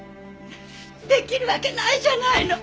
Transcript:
出来るわけないじゃないの！